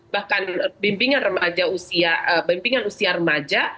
bahkan pembimbingan usia remaja